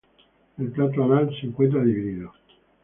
El plato anal se encuentra dividido.